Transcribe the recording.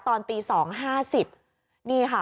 ตอนตี๒๕๐นี่ค่ะ